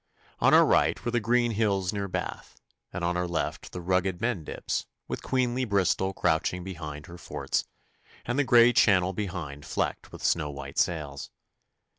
On our right were the green hills near Bath and on our left the rugged Mendips, with queenly Bristol crouching behind her forts, and the grey channel behind flecked with snow white sails.